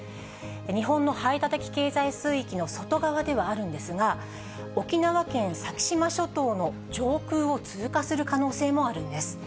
日本の排他的経済水域の外側ではあるんですが、沖縄県先島諸島の上空を通過する可能性もあるんです。